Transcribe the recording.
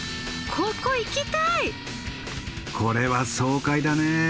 これは爽快だね。